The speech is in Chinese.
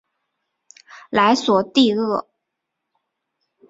莱索蒂厄。